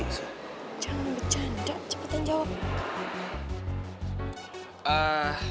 jangan bercanda cepetin jawab